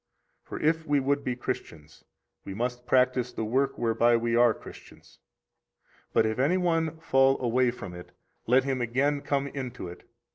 85 For if we would be Christians, we must practise the work whereby we are Christians. 86 But if any one fall away from it, let him again come into it.